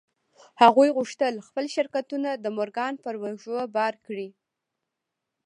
هغوی غوښتل خپل شرکتونه د مورګان پر اوږو بار کړي